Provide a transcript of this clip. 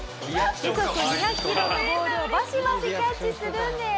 時速２００キロのボールをバシバシキャッチするんです。